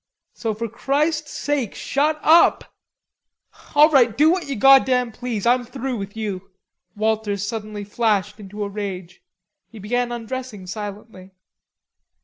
So for Christ's sake shut up." "All right, do what you goddam please; I'm through with you." Walters suddenly flashed into a rage. He began undressing silently.